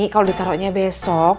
kalau ditaroknya besok